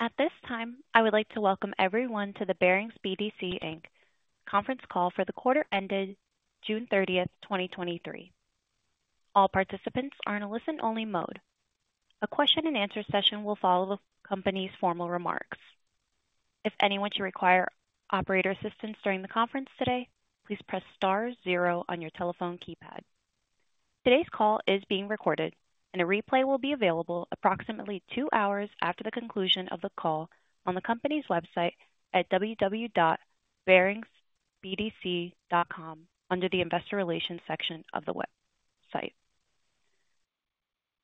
At this time, I would like to welcome everyone to the Barings BDC, Inc. conference call for the quarter ended June 30th, 2023. All participants are in a listen-only mode. A question-and-answer session will follow the company's formal remarks. If anyone should require operator assistance during the conference today, please press star zero on your telephone keypad. Today's call is being recorded, and a replay will be available approximately two hours after the conclusion of the call on the company's website at www.baringsbdc.com under the Investor Relations section of the website.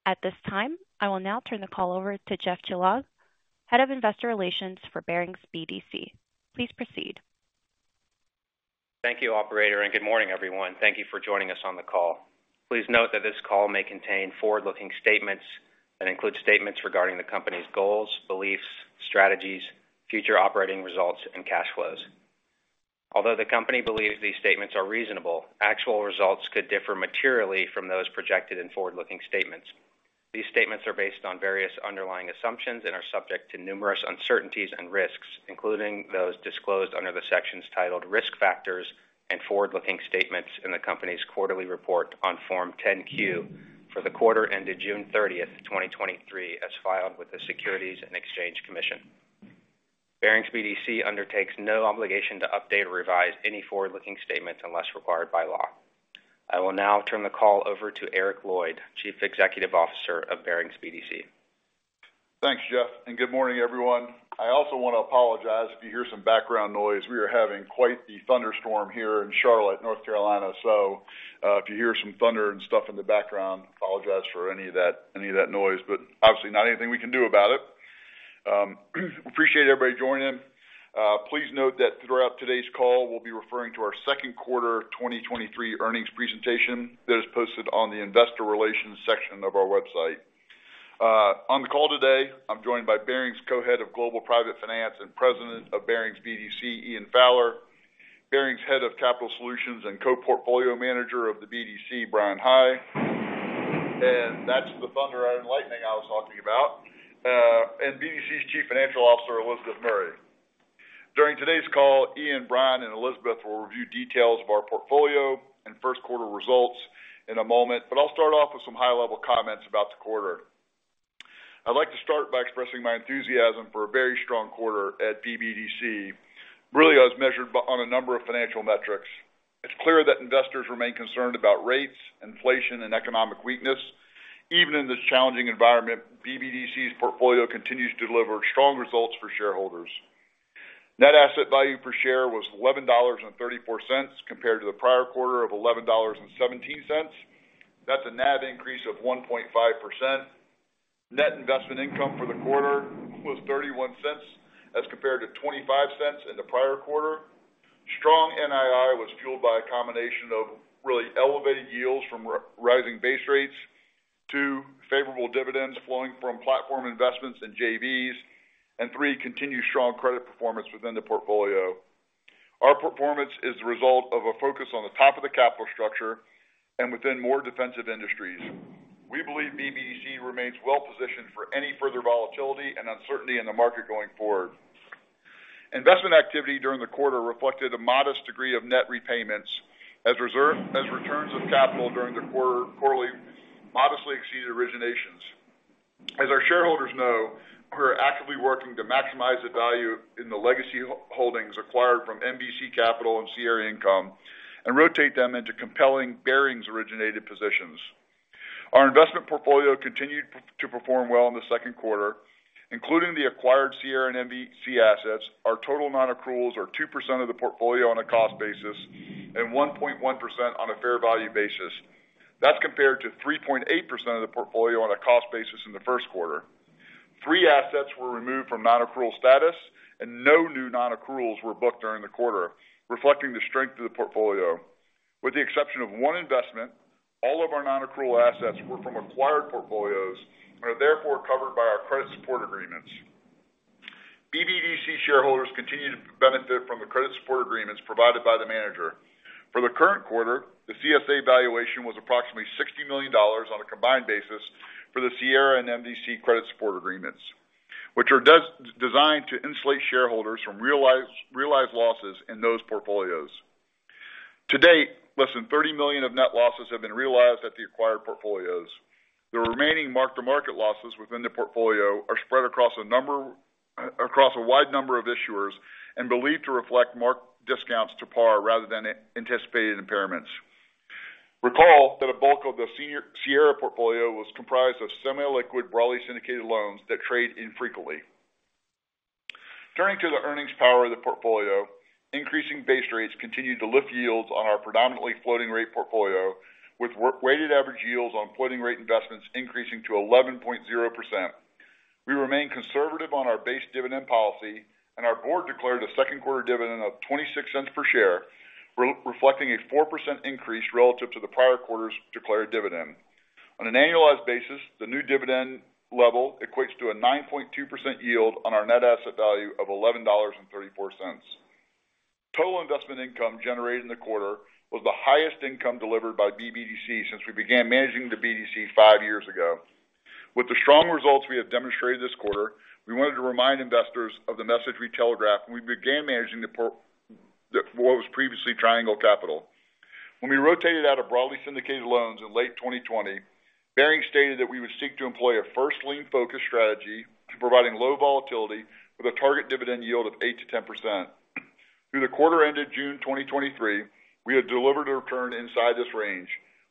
At this time, I will now turn the call over to Joseph Mazzoli, Head of Investor Relations for Barings BDC. Please proceed. Thank you, operator. Good morning, everyone. Thank you for joining us on the call. Please note that this call may contain forward-looking statements that include statements regarding the company's goals, beliefs, strategies, future operating results, and cash flows. Although the company believes these statements are reasonable, actual results could differ materially from those projected in forward-looking statements. These statements are based on various underlying assumptions and are subject to numerous uncertainties and risks, including those disclosed under the sections titled Risk Factors and Forward-Looking Statements in the company's quarterly report on Form 10-Q for the quarter ended June 30th, 2023, as filed with the Securities and Exchange Commission. Barings BDC undertakes no obligation to update or revise any forward-looking statements unless required by law. I will now turn the call over to Eric Lloyd, Chief Executive Officer of Barings BDC. Thanks, Jeff. Good morning, everyone. I also want to apologize if you hear some background noise. We are having quite the thunderstorm here in Charlotte, North Carolina. If you hear some thunder and stuff in the background, I apologize for any of that, any of that noise, but obviously not anything we can do about it. Appreciate everybody joining. Please note that throughout today's call, we'll be referring to our second quarter 2023 earnings presentation that is posted on the Investor Relations section of our website. On the call today, I'm joined by Barings Co-Head of Global Private Finance and President of Barings BDC, Ian Fowler, Barings Head of Capital Solutions and Co-Portfolio Manager of the BDC, Bryan High. That's the thunder and lightning I was talking about. BDC's Chief Financial Officer, Elizabeth Murray. During today's call, Ian, Bryan, and Elizabeth will review details of our portfolio and first quarter results in a moment, but I'll start off with some high-level comments about the quarter. I'd like to start by expressing my enthusiasm for a very strong quarter at BBDC. Really, I was measured on a number of financial metrics. It's clear that investors remain concerned about rates, inflation, and economic weakness. Even in this challenging environment, BBDC's portfolio continues to deliver strong results for shareholders. Net asset value per share was $11.34, compared to the prior quarter of $11.17. That's a NAV increase of 1.5%. Net investment income for the quarter was $0.31, as compared to $0.25 in the prior quarter. Strong NII was fueled by a combination of really elevated yields from rising base rates, two, favorable dividends flowing from platform investments in JVs, and three, continued strong credit performance within the portfolio. Our performance is the result of a focus on the top of the capital structure and within more defensive industries. We believe BBDC remains well positioned for any further volatility and uncertainty in the market going forward. Investment activity during the quarter reflected a modest degree of net repayments as returns of capital during the quarter, quarterly modestly exceeded originations. As our shareholders know, we're actively working to maximize the value in the legacy holdings acquired from MVC Capital and Sierra Income and rotate them into compelling Barings-originated positions. Our investment portfolio continued to perform well in the second quarter, including the acquired Sierra and MVC assets. Our total nonaccruals are 2% of the portfolio on a cost basis and 1.1% on a fair value basis. That's compared to 3.8% of the portfolio on a cost basis in the first quarter. Three assets were removed from nonaccrual status, and no new nonaccruals were booked during the quarter, reflecting the strength of the portfolio. With the exception of one investment, all of our nonaccrual assets were from acquired portfolios and are therefore covered by our credit support agreements. BBDC shareholders continue to benefit from the credit support agreements provided by the manager. For the current quarter, the CSA valuation was approximately $60 million on a combined basis for the Sierra and MVC credit support agreements, which are designed to insulate shareholders from realized losses in those portfolios. To date, less than $30 million of net losses have been realized at the acquired portfolios. The remaining mark-to-market losses within the portfolio are spread across a number-- across a wide number of issuers and believed to reflect mark discounts to par rather than anticipated impairments. Recall that a bulk of the Sierra portfolio was comprised of semi-liquid, broadly syndicated loans that trade infrequently. Turning to the earnings power of the portfolio, increasing base rates continued to lift yields on our predominantly floating rate portfolio, with weighted average yields on floating rate investments increasing to 11.0%. We remain conservative on our base dividend policy and our board declared a second quarter dividend of $0.26 per share, reflecting a 4% increase relative to the prior quarter's declared dividend. On an annualized basis, the new dividend level equates to a 9.2% yield on our net asset value of $11.34. Total investment income generated in the quarter was the highest income delivered by BBDC since we began managing the BDC 5 years ago. With the strong results we have demonstrated this quarter, we wanted to remind investors of the message we telegraphed when we began managing the what was previously Triangle Capital. When we rotated out of broadly syndicated loans in late 2020, Barings stated that we would seek to employ a first lien focus strategy to providing low volatility with a target dividend yield of 8%-10%. Through the quarter ended June 2023, we have delivered a return inside this range.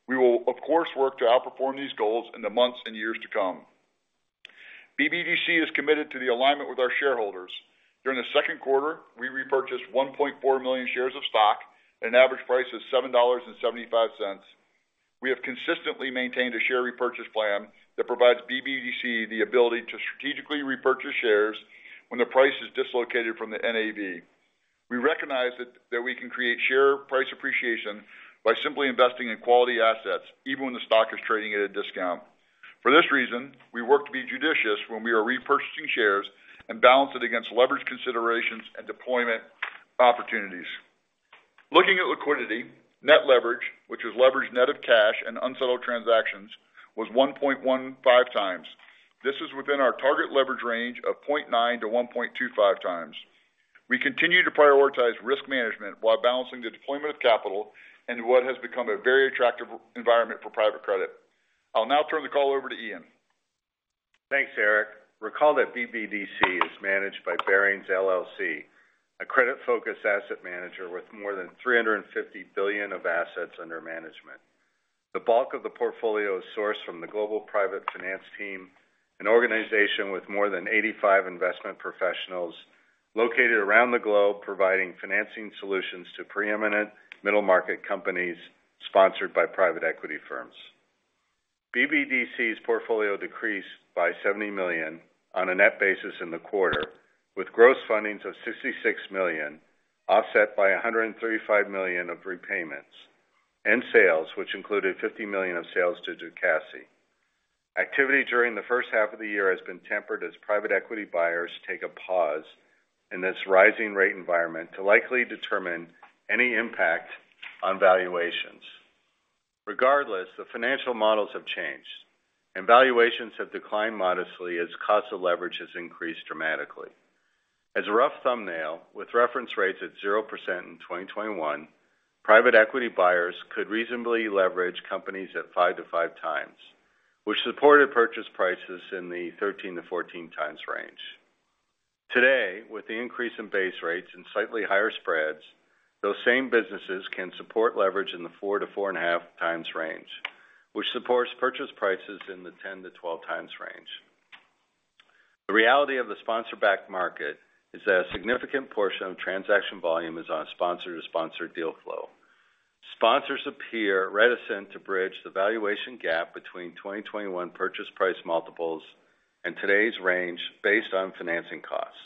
We will, of course, work to outperform these goals in the months and years to come. BBDC is committed to the alignment with our shareholders. During the second quarter, we repurchased 1.4 million shares of stock at an average price of $7.75. We have consistently maintained a share repurchase plan that provides BBDC the ability to strategically repurchase shares when the price is dislocated from the NAV. We recognize that we can create share price appreciation by simply investing in quality assets, even when the stock is trading at a discount. For this reason, we work to be judicious when we are repurchasing shares and balance it against leverage considerations and deployment opportunities. Looking at liquidity, net leverage, which is leverage net of cash and unsettled transactions, was 1.15 times. This is within our target leverage range of 0.9-1.25 times. We continue to prioritize risk management while balancing the deployment of capital and what has become a very attractive environment for private credit. I'll now turn the call over to Ian. Thanks, Eric. Recall that BBDC is managed by Barings LLC, a credit-focused asset manager with more than $350 billion of assets under management. The bulk of the portfolio is sourced from the Global Private Finance team, an organization with more than 85 investment professionals located around the globe, providing financing solutions to preeminent middle-market companies sponsored by private equity firms. BBDC's portfolio decreased by $70 million on a net basis in the quarter, with gross fundings of $66 million, offset by $135 million of repayments and sales, which included $50 million of sales to Duquesne. Activity during the first half of the year has been tempered as private equity buyers take a pause in this rising rate environment to likely determine any impact on valuations. Regardless, the financial models have changed, and valuations have declined modestly as cost of leverage has increased dramatically. As a rough thumbnail, with reference rates at 0% in 2021, private equity buyers could reasonably leverage companies at 5x-5x, which supported purchase prices in the 13x-14x range. Today, with the increase in base rates and slightly higher spreads, those same businesses can support leverage in the 4x-4.5x range, which supports purchase prices in the 10x-12x range. The reality of the sponsor-backed market is that a significant portion of transaction volume is on a sponsor-to-sponsor deal flow. Sponsors appear reticent to bridge the valuation gap between 2021 purchase price multiples and today's range based on financing costs.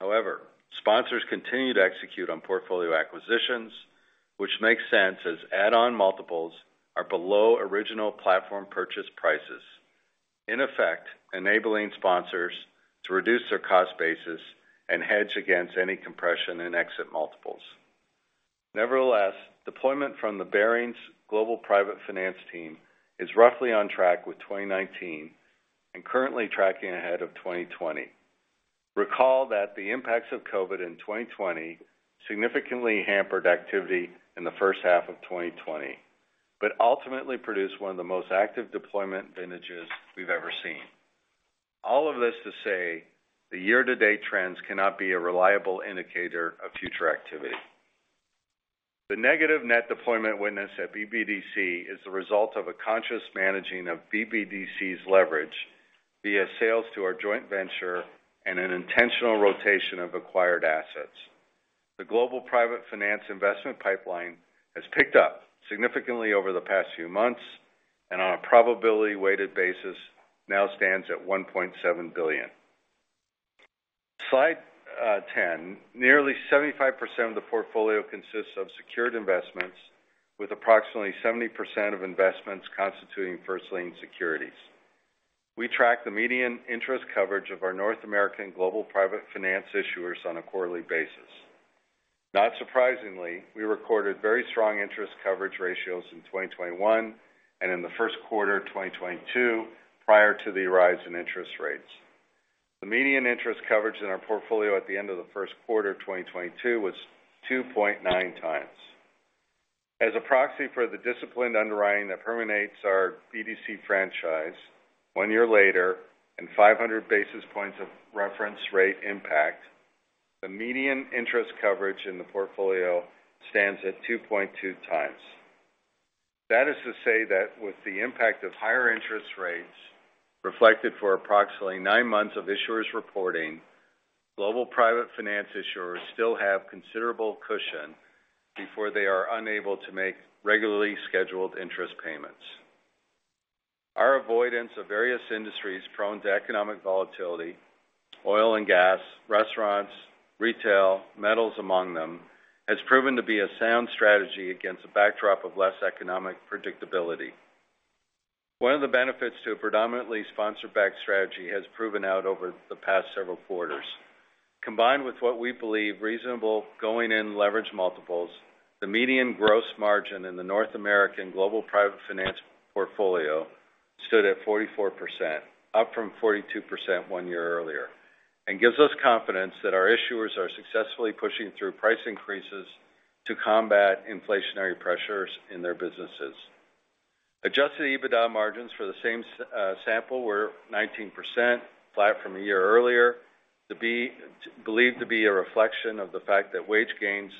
However, sponsors continue to execute on portfolio acquisitions, which makes sense as add-on multiples are below original platform purchase prices, in effect, enabling sponsors to reduce their cost basis and hedge against any compression in exit multiples. Nevertheless, deployment from the Barings Global Private Finance team is roughly on track with 2019 and currently tracking ahead of 2020. Recall that the impacts of COVID in 2020 significantly hampered activity in the first half of 2020, but ultimately produced one of the most active deployment vintages we've ever seen. All of this to say, the year-to-date trends cannot be a reliable indicator of future activity. The negative net deployment witnessed at BBDC is the result of a conscious managing of BBDC's leverage via sales to our joint venture and an intentional rotation of acquired assets. The Global Private Finance investment pipeline has picked up significantly over the past few months, and on a probability weighted basis, now stands at $1.7 billion. Slide 10. Nearly 75% of the portfolio consists of secured investments, with approximately 70% of investments constituting first lien securities. We track the median interest coverage of our North American Global Private Finance issuers on a quarterly basis. Not surprisingly, we recorded very strong interest coverage ratios in 2021 and in the first quarter of 2022, prior to the rise in interest rates. The median interest coverage in our portfolio at the end of the first quarter of 2022 was 2.9 times. As a proxy for the disciplined underwriting that permeates our BDC franchise, one year later, and 500 basis points of reference rate impact, the median interest coverage in the portfolio stands at 2.2 times. That is to say that with the impact of higher interest rates reflected for approximately nine months of issuers reporting, global private finance issuers still have considerable cushion before they are unable to make regularly scheduled interest payments. Our avoidance of various industries prone to economic volatility, oil and gas, restaurants, retail, metals among them, has proven to be a sound strategy against a backdrop of less economic predictability. One of the benefits to a predominantly sponsor-backed strategy has proven out over the past several quarters. Combined with what we believe reasonable going-in leverage multiples, the median gross margin in the North American Global Private Finance portfolio stood at 44%, up from 42% one year earlier, and gives us confidence that our issuers are successfully pushing through price increases to combat inflationary pressures in their businesses. Adjusted EBITDA margins for the same sample were 19%, flat from a year earlier, believed to be a reflection of the fact that wage gains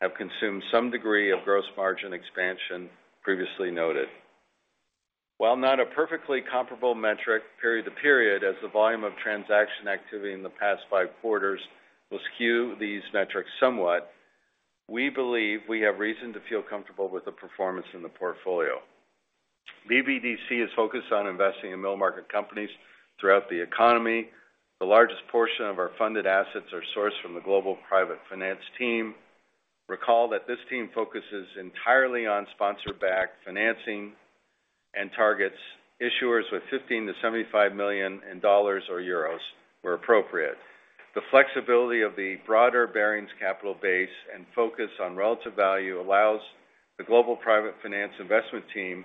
have consumed some degree of gross margin expansion previously noted. While not a perfectly comparable metric period to period, as the volume of transaction activity in the past five quarters will skew these metrics somewhat, we believe we have reason to feel comfortable with the performance in the portfolio. BBDC is focused on investing in middle-market companies throughout the economy. The largest portion of our funded assets are sourced from the Global Private Finance team. Recall that this team focuses entirely on sponsor-backed financing and targets issuers with 15 million to 75 million in dollars or euros, where appropriate. The flexibility of the broader Barings capital base and focus on relative value allows the Global Private Finance investment team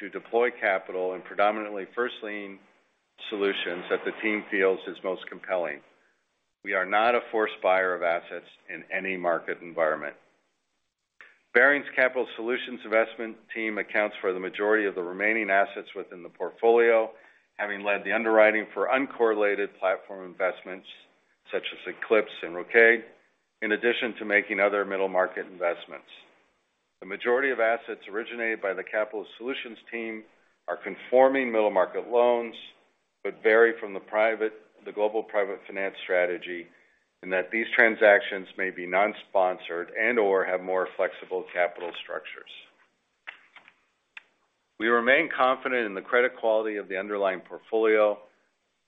to deploy capital in predominantly first-lien solutions that the team feels is most compelling. We are not a forced buyer of assets in any market environment. Barings Capital Solutions investment team accounts for the majority of the remaining assets within the portfolio, having led the underwriting for uncorrelated platform investments, such as Eclipse and Rocade, in addition to making other middle-market investments. The majority of assets originated by the Capital Solutions team are conforming middle-market loans, but vary from the Global Private Finance strategy, in that these transactions may be non-sponsored and/or have more flexible capital structures. We remain confident in the credit quality of the underlying portfolio,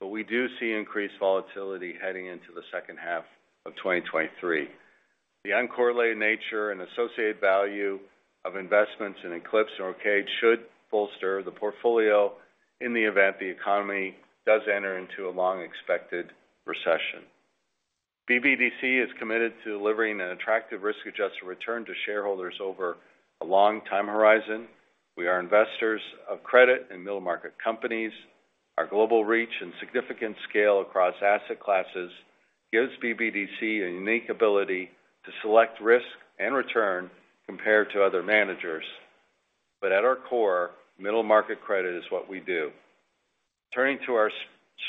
but we do see increased volatility heading into the second half of 2023. The uncorrelated nature and associated value of investments in Eclipse and Rocade should bolster the portfolio in the event the economy does enter into a long-expected recession. BBDC is committed to delivering an attractive, risk-adjusted return to shareholders over a long time horizon. We are investors of credit in middle-market companies. Our global reach and significant scale across asset classes gives BBDC a unique ability to select risk and return compared to other managers. At our core, middle-market credit is what we do. Turning to our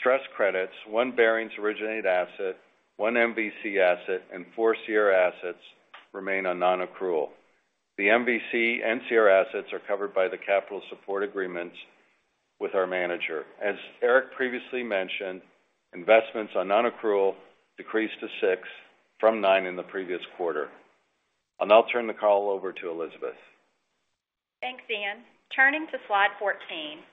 stress credits, one Barings-originated asset, one MVC asset, and four CR assets remain on non-accrual. The MVC and CR assets are covered by the capital support agreements with our manager. As Eric previously mentioned, investments on non-accrual decreased to six from nine in the previous quarter. I'll now turn the call over to Elizabeth. Thanks, Ian. Turning to slide 14,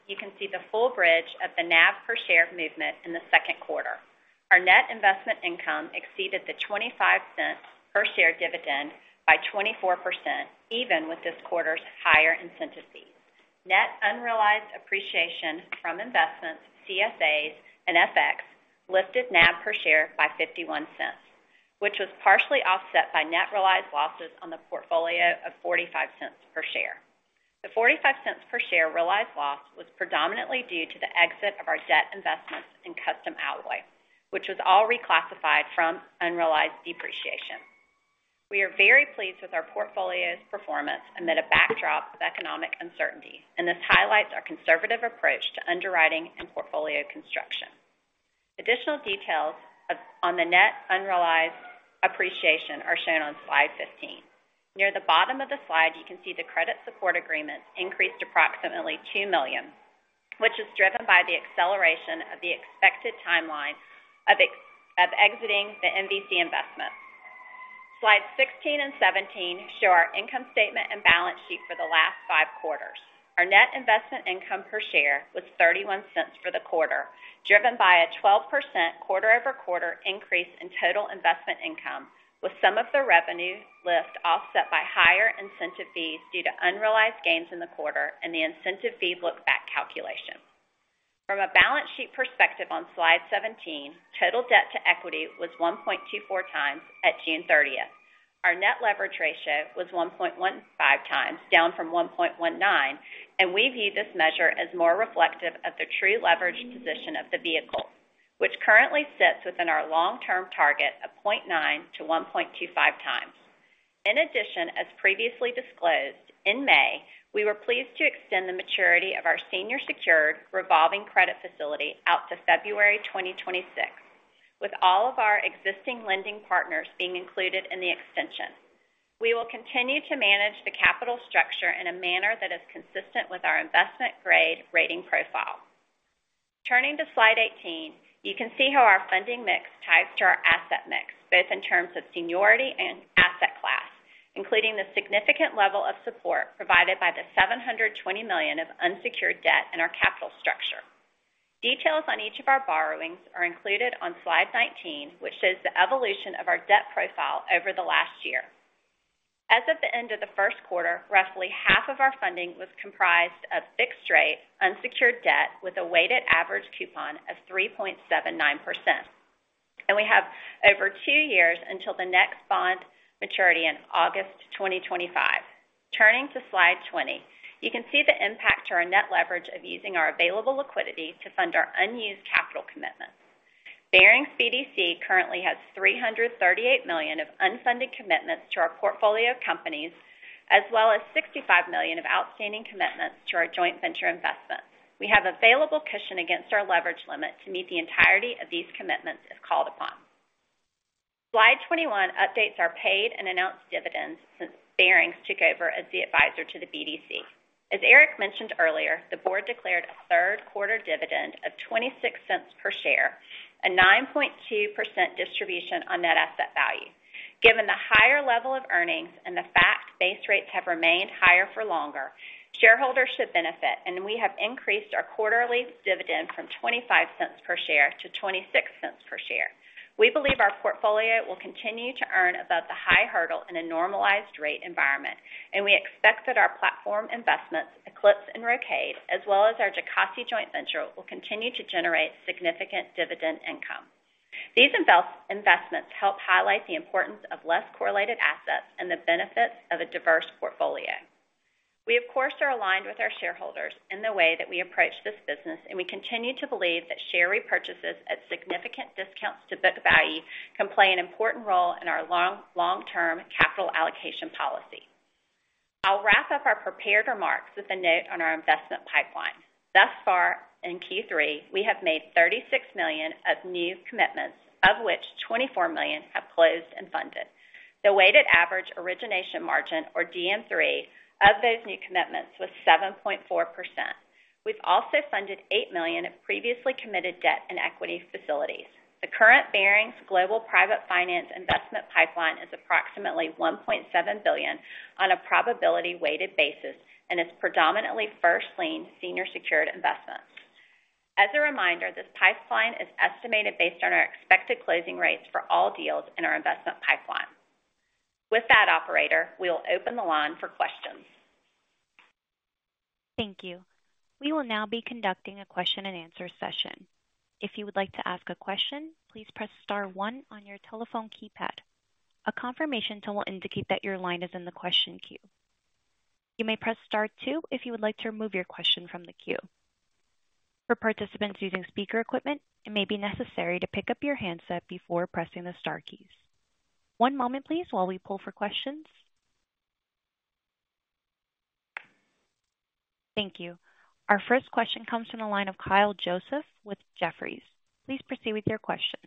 you can see the full bridge of the NAV per share movement in the second quarter. Our net investment income exceeded the $0.25 per share dividend by 24%, even with this quarter's higher incentive fees. Net unrealized appreciation from investments, CSAs, and FX lifted NAV per share by $0.51, which was partially offset by net realized losses on the portfolio of $0.45 per share. The $0.45 per share realized loss was predominantly due to the exit of our debt investments in Custom Alloy, which was all reclassified from unrealized depreciation. We are very pleased with our portfolio's performance amid a backdrop of economic uncertainty, and this highlights our conservative approach to underwriting and portfolio construction. Additional details on the net unrealized appreciation are shown on slide 15. Near the bottom of the slide, you can see the credit support agreements increased approximately $2 million, which is driven by the acceleration of the expected timeline of exiting the MVC investment. Slides 16 and 17 show our income statement and balance sheet for the last five quarters. Our net investment income per share was $0.31 for the quarter, driven by a 12% quarter-over-quarter increase in total investment income, with some of the revenue lift offset by higher incentive fees due to unrealized gains in the quarter and the incentive fee look-back calculation. From a balance sheet perspective on slide 17, total debt to equity was 1.24x at June 30th. Our net leverage ratio was 1.15x, down from 1.19x. We view this measure as more reflective of the true leverage position of the vehicle, which currently sits within our long-term target of 0.9x-1.25x. In addition, as previously disclosed, in May, we were pleased to extend the maturity of our senior secured revolving credit facility out to February 2026, with all of our existing lending partners being included in the extension. We will continue to manage the capital structure in a manner that is consistent with our investment-grade rating profile. Turning to Slide 18, you can see how our funding mix ties to our asset mix, both in terms of seniority and asset class, including the significant level of support provided by the $720 million of unsecured debt in our capital structure. Details on each of our borrowings are included on slide 19, which shows the evolution of our debt profile over the last year. As of the end of the first quarter, roughly half of our funding was comprised of fixed rate, unsecured debt with a weighted average coupon of 3.79%. We have over two years until the next bond maturity in August 2025. Turning to slide 20, you can see the impact to our net leverage of using our available liquidity to fund our unused capital commitments. Barings BDC currently has $338 million of unfunded commitments to our portfolio companies, as well as $65 million of outstanding commitments to our joint venture investments. We have available cushion against our leverage limit to meet the entirety of these commitments, if called upon. Slide 21 updates our paid and announced dividends since Barings took over as the advisor to the BDC. As Eric mentioned earlier, the board declared a third quarter dividend of $0.26 per share, a 9.2% distribution on net asset value. Given the higher level of earnings and the fact base rates have remained higher for longer, shareholders should benefit, and we have increased our quarterly dividend from $0.25 per share to $0.26 per share. We believe our portfolio will continue to earn above the high hurdle in a normalized rate environment, and we expect that our platform investments, Eclipse and Rocade, as well as our Jocassee joint venture, will continue to generate significant dividend income. These investments help highlight the importance of less correlated assets and the benefits of a diverse portfolio. We, of course, are aligned with our shareholders in the way that we approach this business, and we continue to believe that share repurchases at significant discounts to book value can play an important role in our long, long-term capital allocation policy. I'll wrap up our prepared remarks with a note on our investment pipeline. Thus far, in Q3, we have made $36 million of new commitments, of which $24 million have closed and funded. The weighted average origination margin, or DM 3, of those new commitments was 7.4%. We've also funded $8 million of previously committed debt and equity facilities. The current Barings Global Private Finance investment pipeline is approximately $1.7 billion on a probability weighted basis and is predominantly first lien, senior secured investments. As a reminder, this pipeline is estimated based on our expected closing rates for all deals in our investment pipeline. With that, operator, we will open the line for questions. Thank you. We will now be conducting a question-and-answer session. If you would like to ask a question, please press star 1 on your telephone keypad. A confirmation tone will indicate that your line is in the question queue. You may press star 2 if you would like to remove your question from the queue. For participants using speaker equipment, it may be necessary to pick up your handset before pressing the star keys. One moment please, while we pull for questions. Thank you. Our first question comes from the line of Kyle Joseph with Jefferies. Please proceed with your question.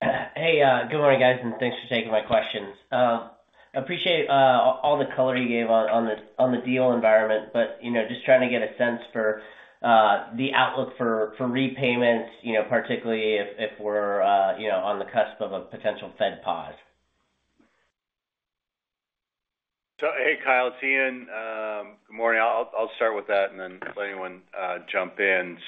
Hey, good morning, guys, and thanks for taking my questions. I appreciate all the color you gave on, on the, on the deal environment, but, you know, just trying to get a sense for the outlook for, for repayments, you know, particularly if, if we're, you know, on the cusp of a potential Fed pause. Hey, Kyle, it's Ian. Good morning. I'll, I'll start with that and then let anyone jump in.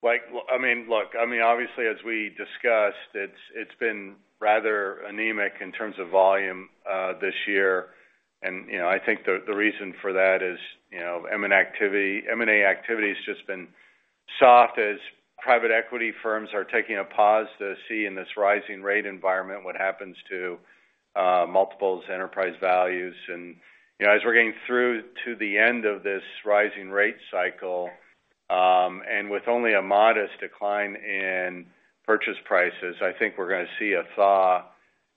Like, I mean, look, I mean, obviously, as we discussed, it's, it's been rather anemic in terms of volume this year. You know, I think the, the reason for that is, you know, M&A activity has just been soft as private equity firms are taking a pause to see in this rising rate environment what happens to multiples enterprise values. You know, as we're getting through to the end of this rising rate cycle, and with only a modest decline in purchase prices, I think we're gonna see a thaw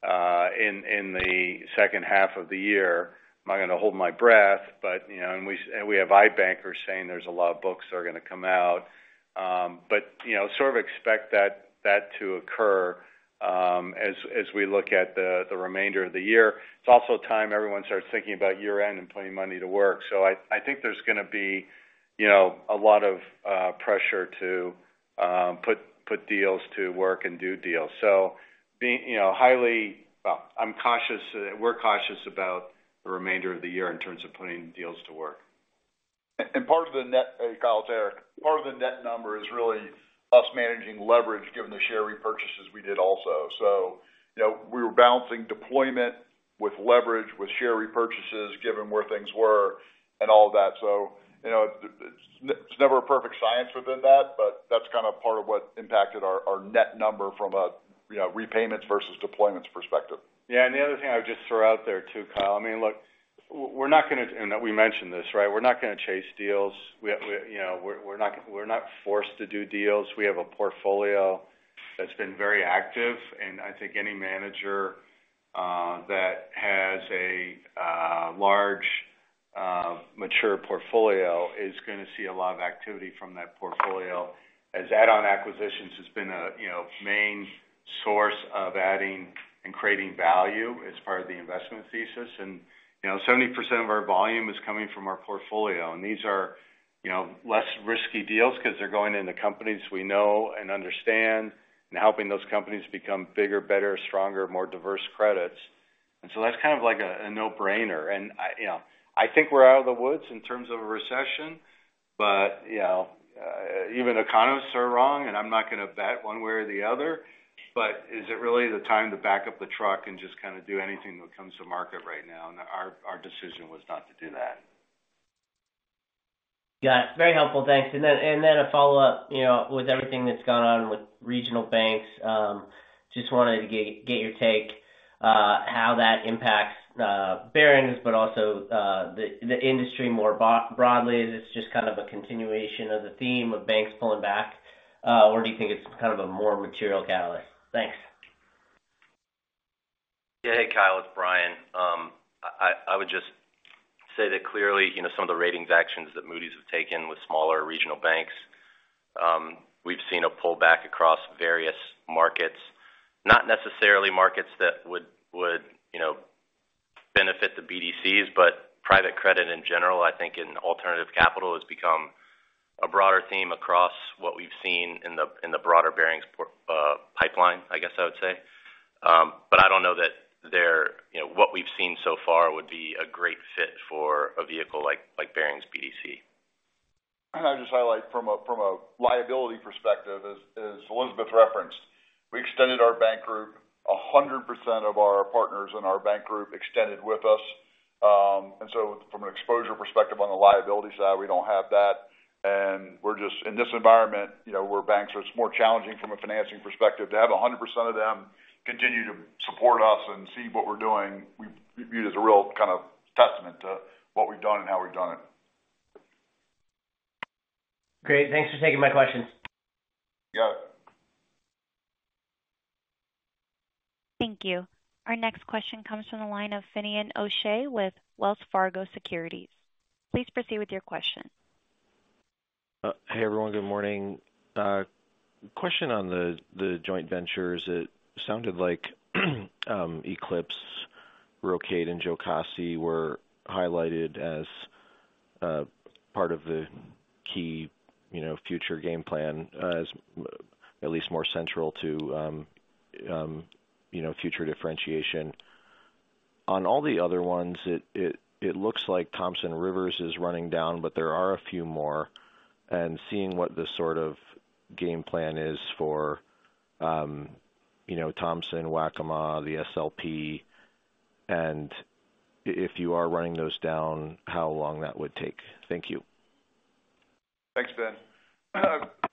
in the second half of the year. I'm not gonna hold my breath, but, you know, and we, we have i-bankers saying there's a lot of books that are gonna come out. You know, sort of expect that, that to occur, as, as we look at the, the remainder of the year. It's also a time everyone starts thinking about year-end and putting money to work. I, I think there's gonna be, you know, a lot of pressure to, put, put deals to work and do deals. Being, you know, highly, Well, I'm cautious. We're cautious about the remainder of the year in terms of putting deals to work. And part of the net-- hey, Kyle, it's Eric. Part of the net number is really us managing leverage given the share repurchases we did also. You know, we were balancing deployment with leverage, with share repurchases, given where things were and all of that. You know, it's, it's never a perfect science within that, but that's kind of part of what impacted our, our net number from a, you know, repayments versus deployments perspective. Yeah, the other thing I would just throw out there, too, Kyle, I mean, look, we're not gonna. And we mentioned this, right? We're not gonna chase deals. We, you know, we're not forced to do deals. We have a portfolio that's been very active. I think any manager that has a large, mature portfolio is gonna see a lot of activity from that portfolio, as add-on acquisitions has been a, you know, main source of adding and creating value as part of the investment thesis. You know, 70% of our volume is coming from our portfolio. These are, you know, less risky deals because they're going into companies we know and understand, and helping those companies become bigger, better, stronger, more diverse credits. That's kind of like a no-brainer. I, you know, I think we're out of the woods in terms of a recession.... but, you know, even economists are wrong, and I'm not going to bet one way or the other. Is it really the time to back up the truck and just kind of do anything that comes to market right now? Our, our decision was not to do that. Got it. Very helpful. Thanks. Then, and then a follow-up, you know, with everything that's gone on with regional banks, just wanted to get, get your take, how that impacts Barings, but also, the, the industry more broadly. Is this just kind of a continuation of the theme of banks pulling back, or do you think it's kind of a more material catalyst? Thanks. Yeah. Hey, Kyle, it's Bryan. I, I would just say that clearly, you know, some of the ratings actions that Moody's have taken with smaller regional banks, we've seen a pullback across various markets. Not necessarily markets that would, would, you know, benefit the BDCs, but private credit in general, I think in alternative capital, has become a broader theme across what we've seen in the, in the broader Barings por- pipeline, I guess I would say. But I don't know that they're-- you know, what we've seen so far would be a great fit for a vehicle like, like Barings BDC. I'll just highlight from a, from a liability perspective, as, as Elizabeth referenced, we extended our bank group. 100% of our partners in our bank group extended with us. From an exposure perspective on the liability side, we don't have that. We're just, in this environment, you know, we're a bank, so it's more challenging from a financing perspective. To have 100% of them continue to support us and see what we're doing, we view it as a real kind of testament to what we've done and how we've done it. Great. Thanks for taking my question. You got it. Thank you. Our next question comes from the line of Finian O'Shea with Wells Fargo Securities. Please proceed with your question. Hey, everyone. Good morning. Question on the joint ventures. It sounded like Eclipse, Rocade, and Jocassee were highlighted as part of the key, you know, future game plan, as at least more central to, you know, future differentiation. On all the other ones, it looks like Thompson Rivers is running down, but there are a few more, and seeing what the sort of game plan is for, you know, Thompson, Waccamaw, the SLP, and if you are running those down, how long that would take? Thank you. Thanks, Ben.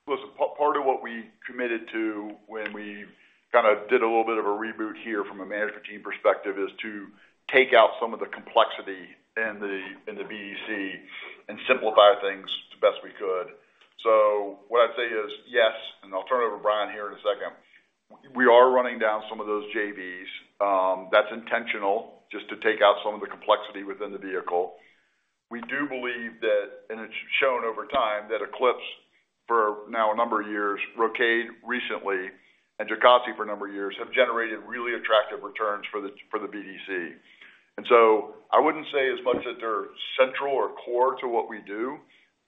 listen, part of what we committed to when we kind of did a little bit of a reboot here from a management team perspective, is to take out some of the complexity in the, in the BDC and simplify things the best we could. What I'd say is, yes, and I'll turn it over to Bryan here in a second. We are running down some of those JVs. That's intentional, just to take out some of the complexity within the vehicle. We do believe that, and it's shown over time, that Eclipse, for now a number of years, Rocade recently, and Jocassee for a number of years, have generated really attractive returns for the, for the BDC. I wouldn't say as much that they're central or core to what we do.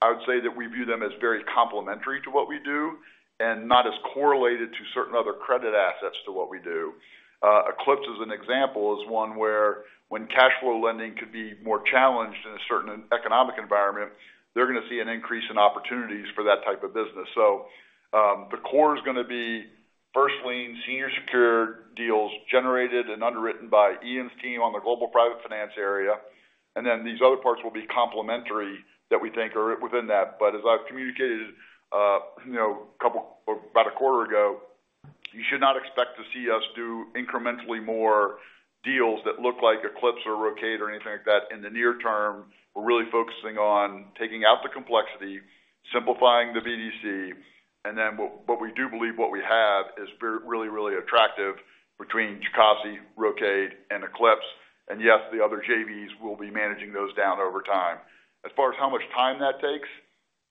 I would say that we view them as very complementary to what we do and not as correlated to certain other credit assets to what we do. Eclipse, as an example, is one where when cashflow lending could be more challenged in a certain economic environment, they're going to see an increase in opportunities for that type of business. The core is going to be first lien, senior secured deals generated and underwritten by Ian's team on their Global Private Finance area. These other parts will be complementary, that we think are within that. As I've communicated, about a quarter ago, you should not expect to see us do incrementally more deals that look like Eclipse or Rocade or anything like that in the near term. We're really focusing on taking out the complexity, simplifying the BDC, but we do believe what we have is really, really attractive between Jocassee, Rocade, and Eclipse. Yes, the other JVs, we'll be managing those down over time. As far as how much time that takes,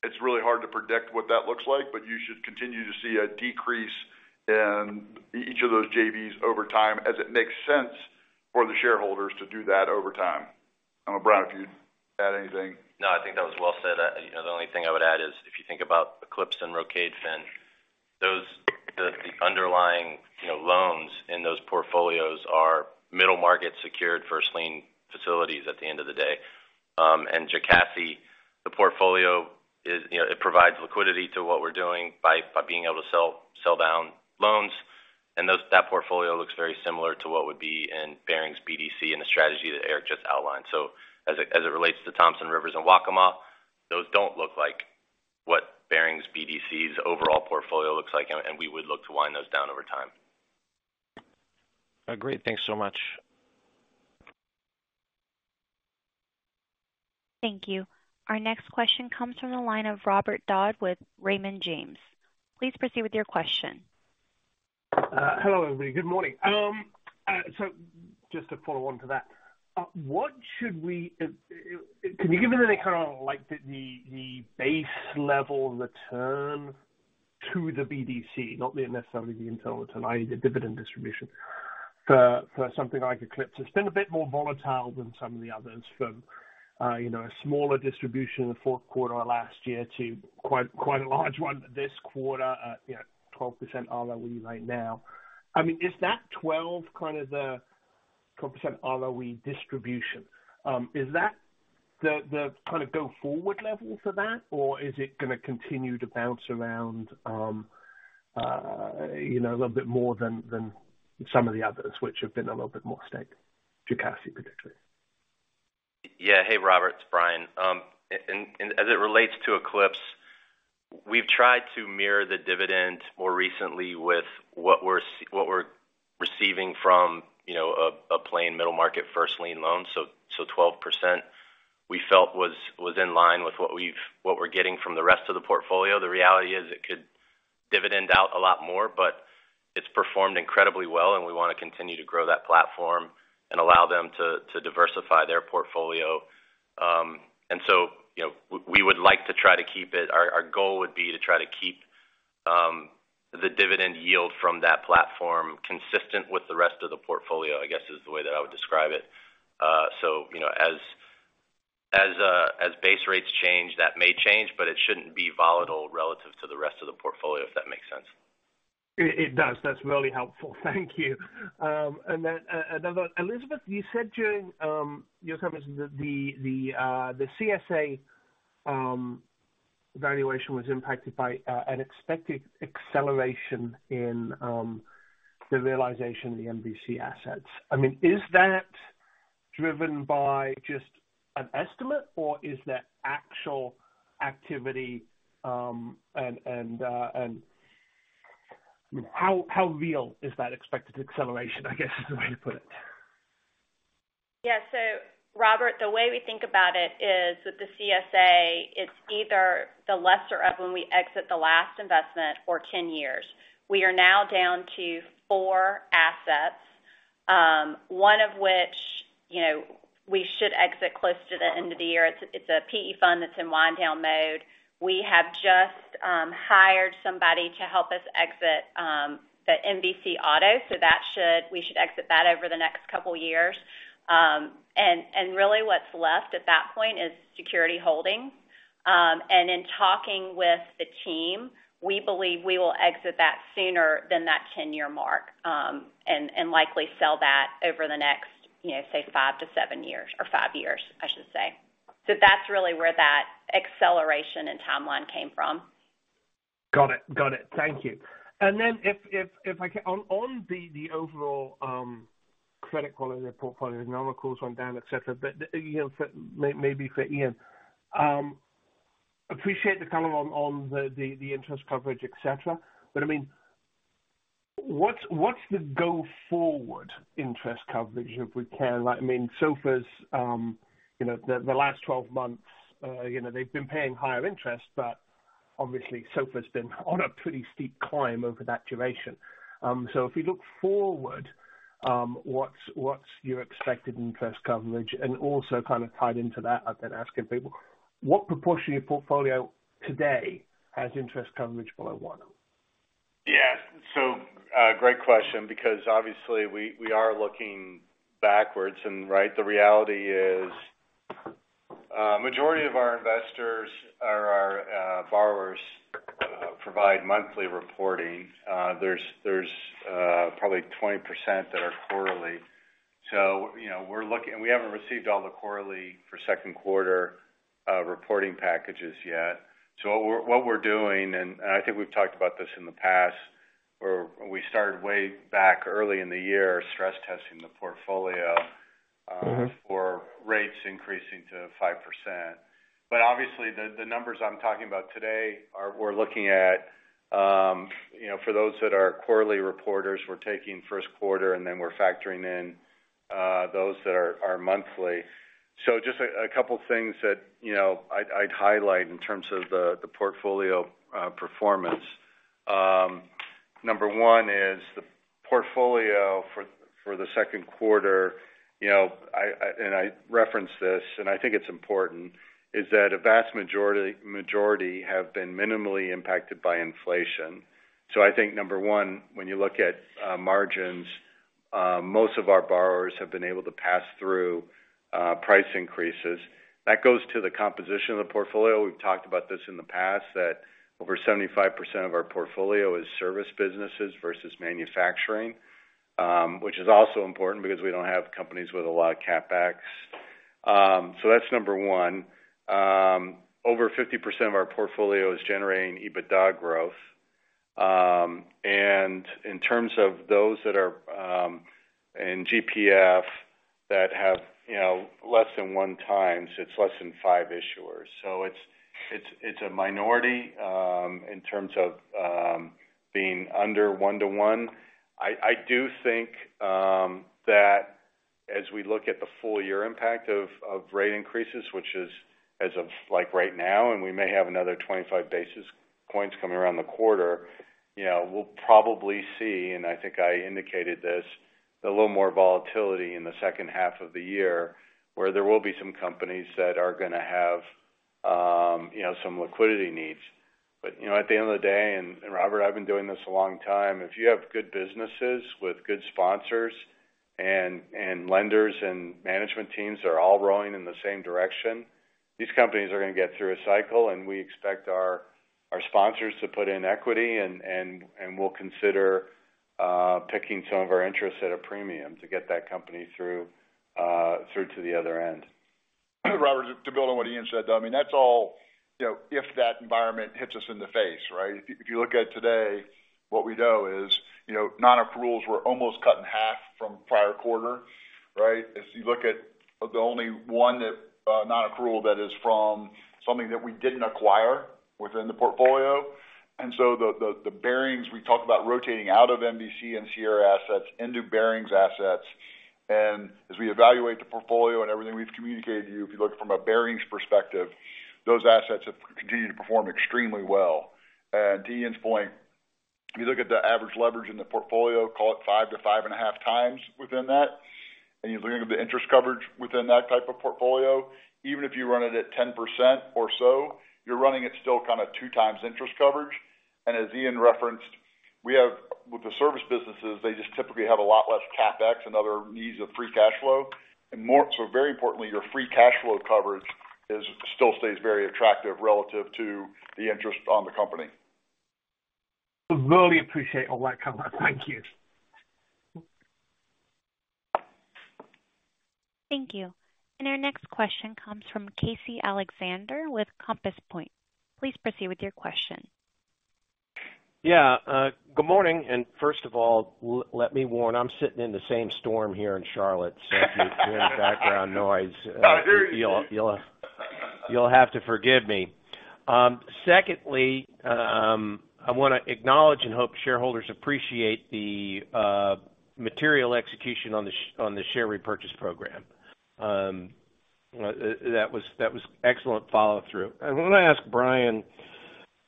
it's really hard to predict what that looks like, but you should continue to see a decrease in each of those JVs over time, as it makes sense for the shareholders to do that over time. I don't know, Bryan, if you'd add anything. No, I think that was well said. You know, the only thing I would add is, if you think about Eclipse and Rocade, Finn, those underlying, you know, loans in those portfolios are middle-market, secured first lien facilities at the end of the day. Jocassee, the portfolio is, you know, it provides liquidity to what we're doing by being able to sell, sell down loans. That portfolio looks very similar to what would be in Barings BDC and the strategy that Eric just outlined. As it relates to Thompson Rivers and Waccamaw, those don't look like what Barings BDC's overall portfolio looks like, we would look to wind those down over time. great. Thanks so much. Thank you. Our next question comes from the line of Robert Dodd with Raymond James. Please proceed with your question. Hello, everybody. Good morning. Just to follow on to that, what should we... Can you give any kind of, like, the, the base level return to the BDC, not necessarily the internal return, i.e., the dividend distribution, for, for something like Eclipse? It's been a bit more volatile than some of the others from, you know, a smaller distribution in the fourth quarter last year to quite, quite a large one this quarter, at, you know, 12% ROE right now. I mean, is that 12 kind of the 12% ROE distribution. Is that the, the kind of go forward level for that? Is it going to continue to bounce around, you know, a little bit more than, than some of the others, which have been a little bit more steady, if you can see predictably? Yeah. Hey, Robert, it's Bryan. As it relates to Eclipse, we've tried to mirror the dividend more recently with what we're receiving from, you know, a, a plain middle market first lien loan. So 12%, we felt was, was in line with what we're getting from the rest of the portfolio. The reality is, it could dividend out a lot more, but it's performed incredibly well, and we want to continue to grow that platform and allow them to, to diversify their portfolio. So, you know, we would like to try to keep it-- our, our goal would be to try to keep the dividend yield from that platform consistent with the rest of the portfolio, I guess, is the way that I would describe it. You know, as, as, as base rates change, that may change, but it shouldn't be volatile relative to the rest of the portfolio, if that makes sense. It, it does. That's really helpful. Thank you. Elizabeth, you said during your comments that the CSA valuation was impacted by an expected acceleration in the realization of the MVC assets. I mean, is that driven by just an estimate, or is there actual activity? How real is that expected acceleration? I guess, is the way to put it. Yeah. Robert, the way we think about it is that the CSA, it's either the lesser of when we exit the last investment or 10 years. We are now down to four assets, one of which, you know, we should exit close to the end of the year. It's, it's a PE fund that's in wind down mode. We have just hired somebody to help us exit the MVC Auto. That should-- we should exit that over the next couple of years. Really, what's left at that point is security holdings. In talking with the team, we believe we will exit that sooner than that 10-year mark, and likely sell that over the next, you know, say, five to seven years, or five years, I should say. That's really where that acceleration and timeline came from. Got it. Got it. Thank you. Then if I can, on the overall, credit quality of the portfolio, nominal costs went down, et cetera. You know, for maybe for Ian. Appreciate the color on the interest coverage, et cetera. I mean, what's the go forward interest coverage, if we can? I mean, SOFRs, you know, the last 12 months, you know, they've been paying higher interest, but obviously SOFR's been on a pretty steep climb over that duration. If you look forward, what's your expected interest coverage? Also kind of tied into that, I've been asking people, what proportion of your portfolio today has interest coverage below 1? Yeah. great question, because obviously we, we are looking backwards and, right? The reality is, majority of our investors or our, borrowers, provide monthly reporting. there's, there's, probably 20% that are quarterly. you know, we're looking, we haven't received all the quarterly for second quarter, reporting packages yet. what we're, what we're doing, and, and I think we've talked about this in the past, where we started way back, early in the year, stress testing the portfolio. Mm-hmm... for rates increasing to 5%. Obviously, the, the numbers I'm talking about today are, we're looking at, you know, for those that are quarterly reporters, we're taking first quarter, and then we're factoring in those that are, are monthly. Just a, a couple things that, you know, I'd, I'd highlight in terms of the, the portfolio performance. Number one is, the portfolio for, for the second quarter, you know, and I referenced this, and I think it's important, is that a vast majority, majority have been minimally impacted by inflation. I think number one, when you look at margins, most of our borrowers have been able to pass through price increases. That goes to the composition of the portfolio. We've talked about this in the past, that over 75% of our portfolio is service businesses versus manufacturing, which is also important because we don't have companies with a lot of CapEx. That's number 1. Over 50% of our portfolio is generating EBITDA growth. In terms of those that are in GPF, that have, you know, less than one times, it's less than five issuers. It's, it's, it's a minority, in terms of being under one to one. I, I do think, that as we look at the full year impact of, of rate increases, which is as of, like, right now, and we may have another 25 basis points coming around the quarter, you know, we'll probably see, and I think I indicated this, a little more volatility in the second half of the year, where there will be some companies that are gonna have, you know, some liquidity needs. You know, at the end of the day, and, Robert, I've been doing this a long time, if you have good businesses with good sponsors and, and lenders and management teams that are all rowing in the same direction- ... these companies are going to get through a cycle, and we expect our, our sponsors to put in equity, and we'll consider picking some of our interests at a premium to get that company through, through to the other end. Robert, to build on what Ian said, I mean, that's all, you know, if that environment hits us in the face, right? If you look at today, what we know is, you know, non-approvals were almost cut in half from prior quarter, right? If you look at the only one that non-approval, that is from something that we didn't acquire within the portfolio. The Barings we talked about rotating out of MVC and Sierra assets into Barings assets. As we evaluate the portfolio and everything we've communicated to you, if you look from a Barings perspective, those assets have continued to perform extremely well. To Ian's point, if you look at the average leverage in the portfolio, call it 5-5.5x within that, and you're looking at the interest coverage within that type of portfolio, even if you run it at 10% or so, you're running it still kind of two times interest coverage. As Ian referenced, we have with the service businesses, they just typically have a lot less CapEx and other needs of free cash flow. Very importantly, your free cash flow coverage still stays very attractive relative to the interest on the company. Really appreciate all that coverage. Thank you. Thank you. Our next question comes from Casey Alexander with Compass Point. Please proceed with your question. Yeah, good morning, first of all, let, let me warn, I'm sitting in the same storm here in Charlotte. If you hear any background noise, you'll, you'll, you'll have to forgive me. Secondly, I want to acknowledge and hope shareholders appreciate the material execution on the sh- on the share repurchase program. That was, that was excellent follow-through. I want to ask Bryan,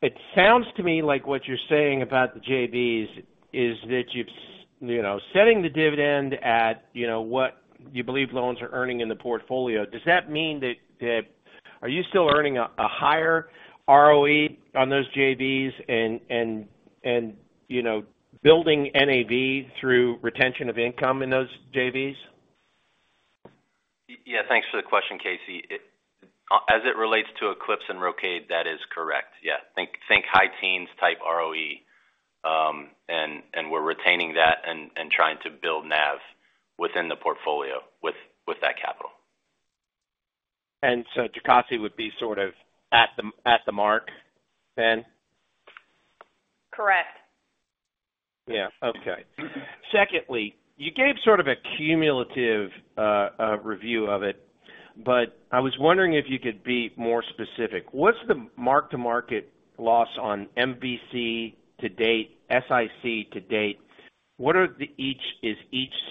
it sounds to me like what you're saying about the JVs is that you've, you know, setting the dividend at, you know, what you believe loans are earning in the portfolio. Does that mean that, that... Are you still earning a, a higher ROE on those JVs and, and, and, you know, building NAV through retention of income in those JVs? Yeah, thanks for the question, Casey. As it relates to Eclipse and Rocade, that is correct. Yeah, think, think high teens type ROE, and, and we're retaining that and, and trying to build NAV within the portfolio with, with that capital. Jocassee would be sort of at the, at the mark then? Correct. Yeah. Okay. Secondly, you gave sort of a cumulative review of it, but I was wondering if you could be more specific. What's the mark-to-market loss on MVC to date, SIC to date? What is each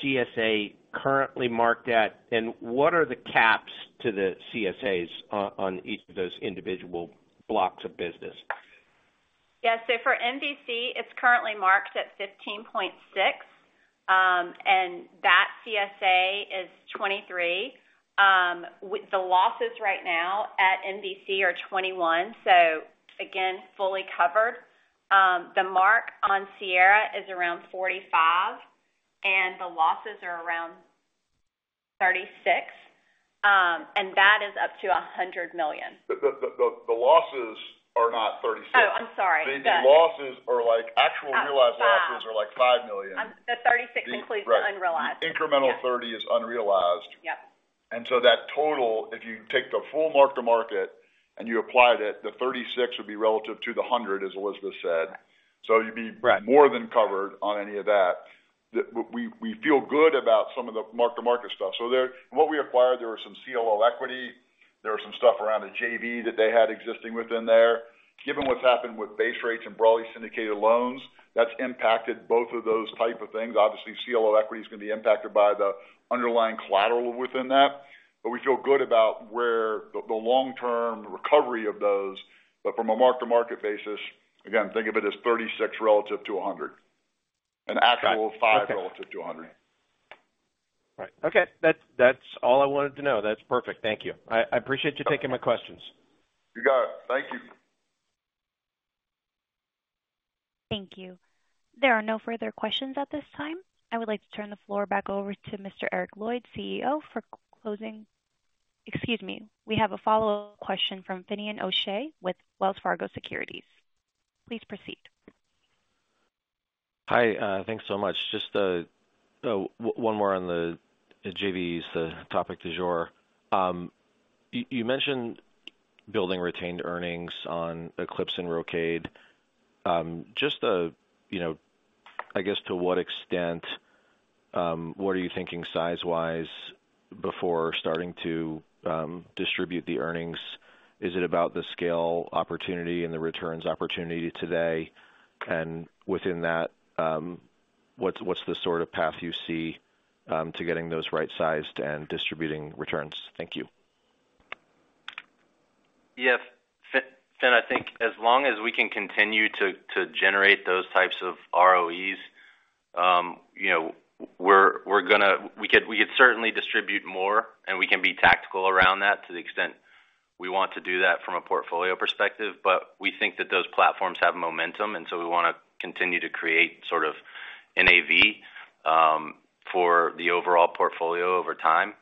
CSA currently marked at, and what are the caps to the CSAs on each of those individual blocks of business? Yeah. So for MVC, it's currently marked at $15.6, and that CSA is $23. With the losses right now at MVC are $21, so again, fully covered. The mark on Sierra is around $45, and the losses are around $36, and that is up to $100 million. The losses are not $36. Oh, I'm sorry. The losses are like, actual realized losses are like $5 million. The $36 includes the unrealized. Incremental $30 is unrealized. Yep. That total, if you take the full mark-to-market and you applied it, the $36 would be relative to the $100, as Elizabeth said. Right. You'd be more than covered on any of that. We feel good about some of the mark-to-market stuff. There, what we acquired, there were some CLO equity. There was some stuff around the JV that they had existing within there. Given what's happened with base rates and broadly syndicated loans, that's impacted both of those type of things. Obviously, CLO equity is going to be impacted by the underlying collateral within that, but we feel good about where the, the long-term recovery of those. From a mark-to-market basis, again, think of it as $36 relative to $100. Got it. Actual $5 relative to $100. Right. Okay, that's, that's all I wanted to know. That's perfect. Thank you. I, I appreciate you taking my questions. You got it. Thank you. Thank you. There are no further questions at this time. I would like to turn the floor back over to Mr. Eric Lloyd, CEO, for closing. Excuse me. We have a follow-up question from Finian O'Shea with Wells Fargo Securities. Please proceed. Hi, thanks so much. Just, one more on the JVs, the topic du jour. You, you mentioned building retained earnings on Eclipse and Rocade. Just, you know, I guess, to what extent, what are you thinking size-wise before starting to distribute the earnings? Is it about the scale opportunity and the returns opportunity today? Within that, what's, what's the sort of path you see to getting those right-sized and distributing returns? Thank you. Yeah. Finn, Finn, I think as long as we can continue to, to generate those types of ROEs, you know, we could, we could certainly distribute more, and we can be tactical around that to the extent we want to do that from a portfolio perspective. We think that those platforms have momentum, so we want to continue to create NAV, for the overall portfolio over time.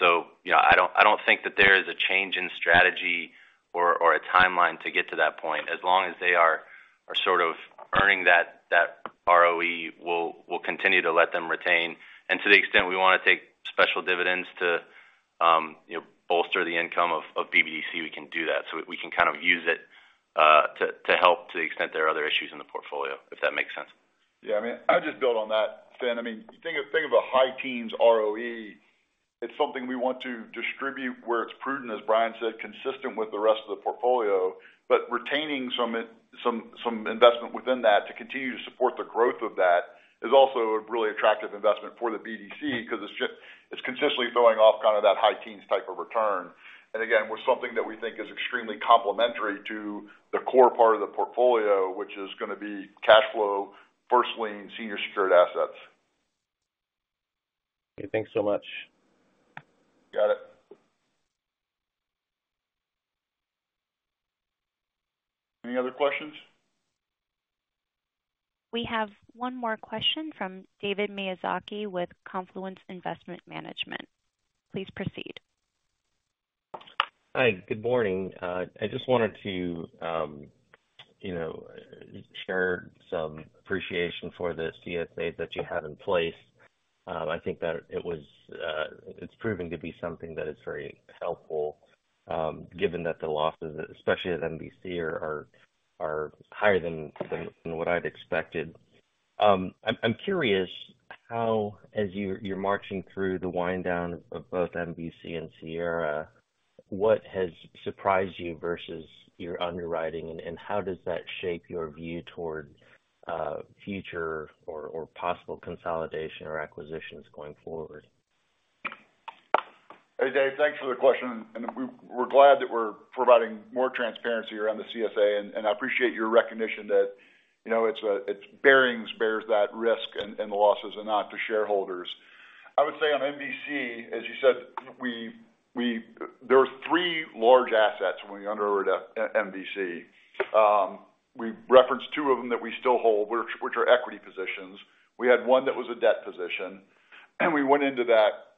So, you know, I don't, I don't think that there is a change in strategy or, or a timeline to get to that point. As long as they are, are sort of earning that, that ROE, we'll continue to let them retain. To the extent we wanna take special dividends to, you know, bolster the income of, of BDC, we can do that. We can kind of use it, to help, to the extent there are other issues in the portfolio, if that makes sense. Yeah, I mean, I'll just build on that, Finn. I mean, you think of, think of a high teens ROE, it's something we want to distribute where it's prudent, as Bryan said, consistent with the rest of the portfolio. Retaining some, some, some investment within that to continue to support the growth of that, is also a really attractive investment for the BDC, 'cause it's just it's consistently throwing off kind of that high teens type of return. Again, with something that we think is extremely complementary to the core part of the portfolio, which is going to be cash flow, first-lien, senior secured assets. Okay, thanks so much. Got it. Any other questions? We have one more question from David Miyazaki with Confluence Investment Management. Please proceed. Hi, good morning. I just wanted to, you know, share some appreciation for the CSA that you have in place. I think that it was, it's proving to be something that is very helpful, given that the losses, especially at MVC, are, are, are higher than, than what I'd expected. I'm, I'm curious how, as you're, you're marching through the wind down of both MVC and Sierra, what has surprised you versus your underwriting, and, and how does that shape your view toward future or possible consolidation or acquisitions going forward? Hey, Dave, thanks for the question. We're glad that we're providing more transparency around the CSA, and I appreciate your recognition that, you know, it's Barings bears that risk and, and the losses and not to shareholders. I would say on MVC, as you said, we, there were three large assets when we underwrote MVC. We referenced two of them that we still hold, which, which are equity positions. We had one that was a debt position, and we went into that.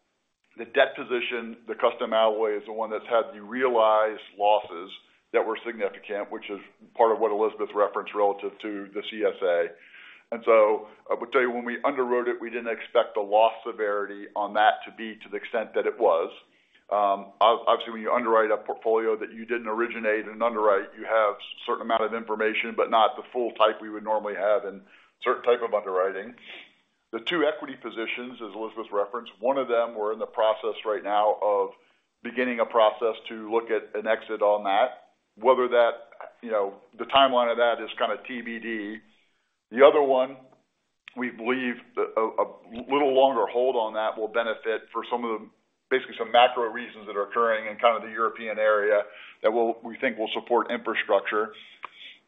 The debt position, the Custom Alloy, is the one that's had the realized losses that were significant, which is part of what Elizabeth referenced relative to the CSA. I would tell you, when we underwrote it, we didn't expect the loss severity on that to be to the extent that it was. Obviously, when you underwrite a portfolio that you didn't originate and underwrite, you have certain amount of information, but not the full type we would normally have in certain type of underwriting. The two equity positions, as Elizabeth referenced, one of them, we're in the process right now of beginning a process to look at an exit on that. Whether that, you know, the timeline of that is kind of TBD. The other one, we believe a, a little longer hold on that will benefit for some of the, basically some macro reasons that are occurring in kind of the European area, that we think will support infrastructure.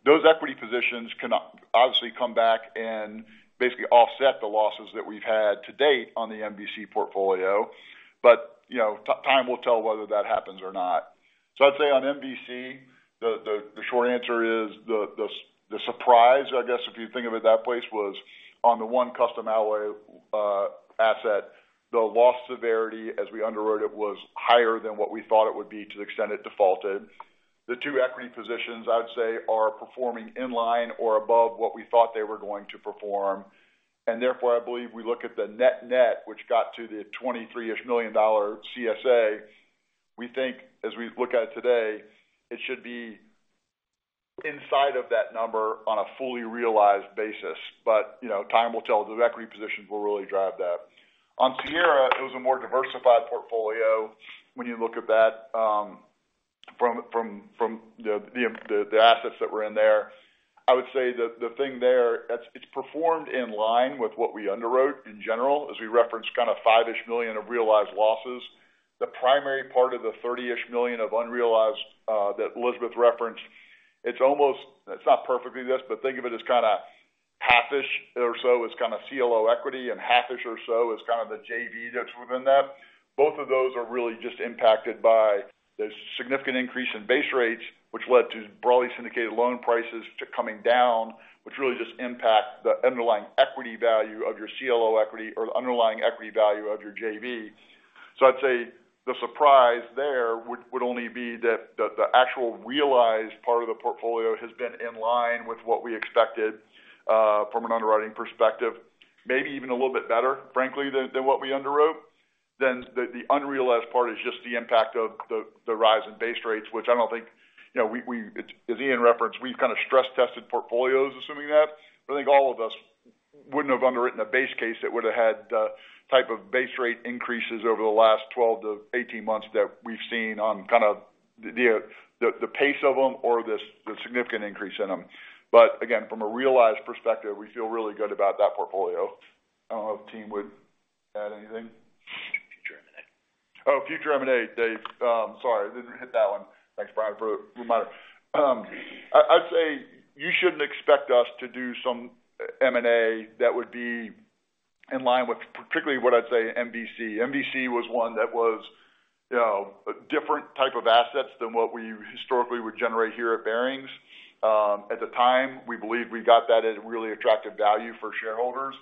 Those equity positions can obviously come back and basically offset the losses that we've had to date on the MVC portfolio, but, you know, time will tell whether that happens or not. I'd say on MVC, the, the, the short answer is the, the, the surprise, I guess, if you think of it that place, was on the one Custom Alloy asset. The loss severity, as we underwrote it, was higher than what we thought it would be to the extent it defaulted. The two equity positions, I would say, are performing in line or above what we thought they were going to perform, and therefore, I believe we look at the net net, which got to the $23 million-ish CSA. We think as we look at it today, it should be inside of that number on a fully realized basis. You know, time will tell. The equity positions will really drive that. On Sierra, it was a more diversified portfolio when you look at that from, from, from the, the, the assets that were in there. I would say that the thing there, it's, it's performed in line with what we underwrote in general, as we referenced, kind of $5-ish million of realized losses. The primary part of the $30-ish million of unrealized that Elizabeth referenced, it's almost... It's not perfectly this, but think of it as kinda half-ish or so is kinda CLO equity, and half-ish or so is kind of the JV that's within that. Both of those are really just impacted by the significant increase in base rates, which led to broadly syndicated loan prices to coming down, which really just impact the underlying equity value of your CLO equity or the underlying equity value of your JV. I'd say the surprise there would, would only be that the, the actual realized part of the portfolio has been in line with what we expected from an underwriting perspective, maybe even a little bit better, frankly, than, than what we underwrote. The, the unrealized part is just the impact of the, the rise in base rates, which I don't think, you know, we, we-- as Ian referenced, we've kind of stress-tested portfolios assuming that. I think all of us wouldn't have underwritten a base case that would have had the type of base rate increases over the last 12 to 18 months that we've seen on kind of the, the, the pace of them or this, the significant increase in them. Again, from a realized perspective, we feel really good about that portfolio. I don't know if the team would add anything. Future M&A. Oh, future M&A, Dave. Sorry, I didn't hit that one. Thanks, Bryan, for the reminder. I, I'd say you shouldn't expect us to do some M&A that would be in line with particularly what I'd say, MVC. MVC was one that was, you know, a different type of assets than what we historically would generate here at Barings. At the time, we believed we got that at a really attractive value for shareholders.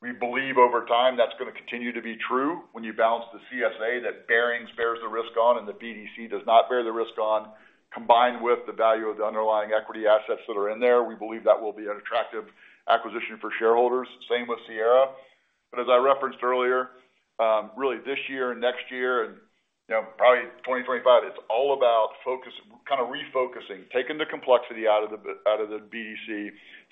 We believe over time, that's going to continue to be true when you balance the CSA that Barings bears the risk on and the BDC does not bear the risk on, combined with the value of the underlying equity assets that are in there. We believe that will be an attractive acquisition for shareholders, same with Sierra. As I referenced earlier, really this year and next year and, you know, probably 2025, it's all about focus, kind of refocusing, taking the complexity out of the BDC,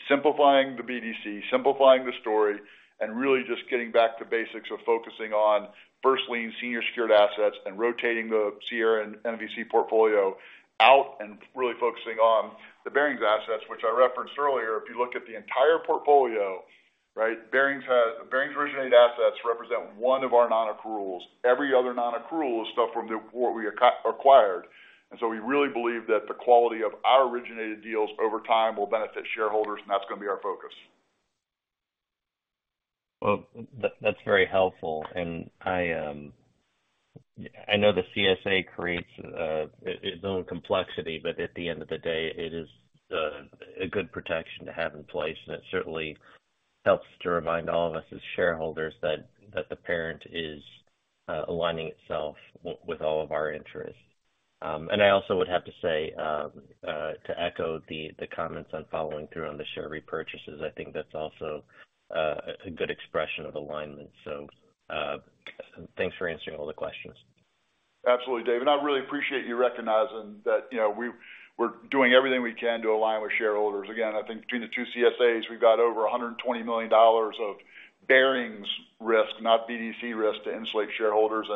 simplifying the BDC, simplifying the story, and really just getting back to basics of focusing on first lien senior secured assets and rotating the Sierra Income and MVC portfolio out and really focusing on the Barings assets, which I referenced earlier. If you look at the entire portfolio, right, Barings originated assets represent one of our non-accruals. Every other non-accrual is stuff from the, what we acquired. We really believe that the quality of our originated deals over time will benefit shareholders, and that's going to be our focus. Well, that's very helpful. I know the CSA creates its own complexity, but at the end of the day, it is a good protection to have in place. It certainly helps to remind all of us as shareholders that, that the parent is aligning itself with all of our interests. I also would have to say, to echo the comments on following through on the share repurchases, I think that's also a good expression of alignment. Thanks for answering all the questions. Absolutely, David. I really appreciate you recognizing that, you know, we're doing everything we can to align with shareholders. Again, I think between the two CSAs, we've got over $120 million of Barings risk, not BDC risk, to insulate shareholders.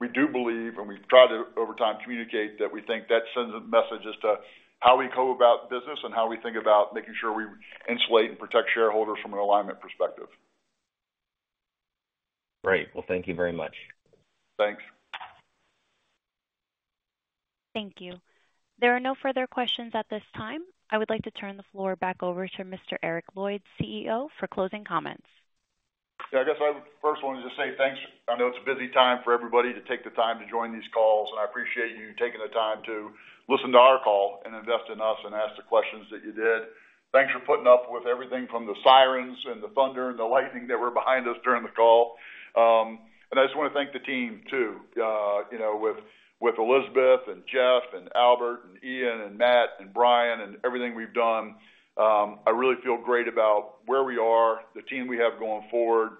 We do believe, and we've tried to, over time, communicate, that we think that sends a message as to how we go about business and how we think about making sure we insulate and protect shareholders from an alignment perspective. Great. Well, thank you very much. Thanks. Thank you. There are no further questions at this time. I would like to turn the floor back over to Mr. Eric Lloyd, CEO, for closing comments. Yeah, I guess I first wanted to say thanks. I know it's a busy time for everybody to take the time to join these calls. I appreciate you taking the time to listen to our call and invest in us and ask the questions that you did. Thanks for putting up with everything from the sirens and the thunder and the lightning that were behind us during the call. I just want to thank the team, too. You know, with, with Elizabeth and Jeff and Albert and Ian and Matt and Bryan and everything we've done, I really feel great about where we are, the team we have going forward.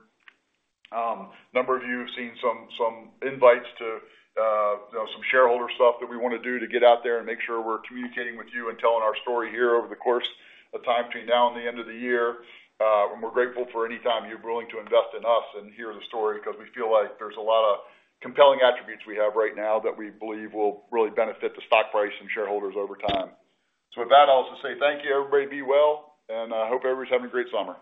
A number of you have seen some, some invites to, you know, some shareholder stuff that we want to do to get out there and make sure we're communicating with you and telling our story here over the course of time between now and the end of the year. We're grateful for any time you're willing to invest in us and hear the story, because we feel like there's a lot of compelling attributes we have right now that we believe will really benefit the stock price and shareholders over time. With that, I'll just say thank you, everybody, be well, and I hope everyone's having a great summer.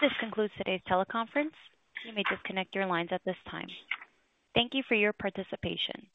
This concludes today's teleconference. You may disconnect your lines at this time. Thank you for your participation.